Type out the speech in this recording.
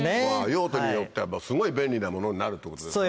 用途によってはすごい便利なものになるってことですね。